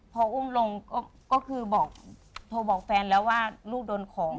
พออุ้มลงก็คือบอกโทรบอกแฟนแล้วว่าลูกโดนของ